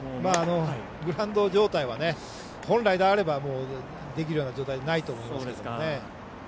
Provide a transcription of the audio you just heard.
グラウンド状態は本来であればできるような状況ではないと思いますが。